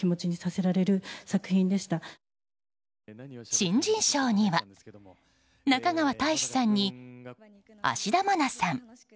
新人賞には中川大志さんに芦田愛菜さん。